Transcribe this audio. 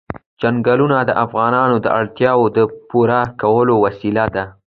چنګلونه د افغانانو د اړتیاوو د پوره کولو وسیله ده.